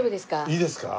いいですか？